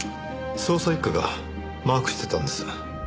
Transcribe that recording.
捜査一課がマークしてたんです。